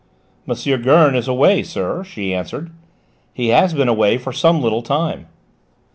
"M. Gurn is away, sir," she answered; "he has been away for some little time."